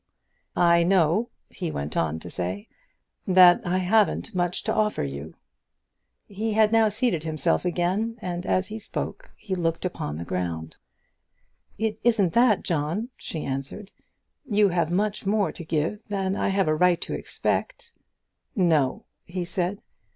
"I know," he went on to say, "that I haven't much to offer you." He had now seated himself again, and as he spoke he looked upon the ground. "It isn't that, John," she answered; "you have much more to give than I have a right to expect." "No," he said.